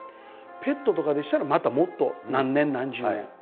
ペットとかでしたらまたもっと何年何十年。